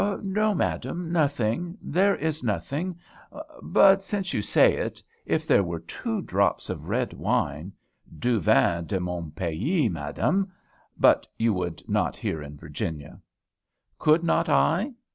'No, madame, nothing; there is nothing. But, since you say it, if there were two drops of red wine, du vin de mon pays, madame; but you could not here in Virginia.' Could not I?